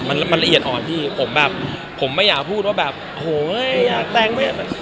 มันละเอียดอ่อนพี่ผมแบบผมไม่อยากพูดว่าแบบโหยอยากแต่งไม่อยาก